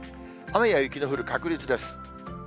雨や雪の降る確率です。